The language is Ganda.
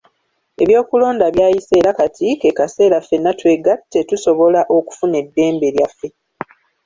Ebyokulonda byayise era kati ke kaseera ffenna twegatte tusobola okufuna eddembe lyaffe.